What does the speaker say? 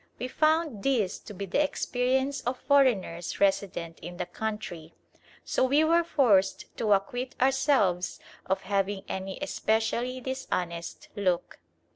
We found this to be the experience of all foreigners resident in the country, so we were forced to acquit ourselves of having any especially dishonest look.